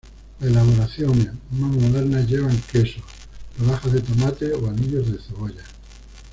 Las elaboraciones más modernas llevan queso, rodajas de tomate o anillos de cebolla.